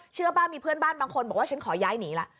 เชื่อป่ะมีเพื่อนบ้านบางคนบอกว่าฉันขอย้ายหนีละ